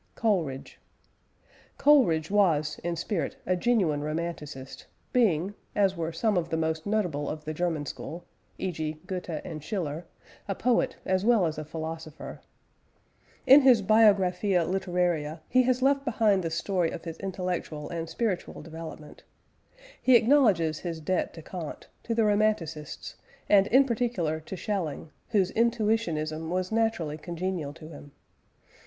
COLERIDGE. Coleridge was in spirit a genuine Romanticist; being, as were some of the most notable of the German school e.g., Goethe and Schiller a poet as well as a philosopher. In his Biographia Literaria he has left behind the story of his intellectual and spiritual development. He acknowledges his debt to Kant, to the Romanticists, and in particular to Schelling, whose "intuitionism" was naturally congenial to him.